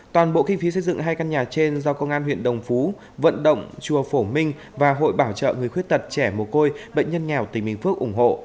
toàn bộ kinh phí xây dựng hai căn nhà trên do công an huyện đồng phú vận động chùa phổ minh và hội bảo trợ người khuyết tật trẻ mồ côi bệnh nhân nghèo tỉnh bình phước ủng hộ